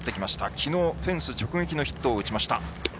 きのうフェンス直撃のヒットを打ちました。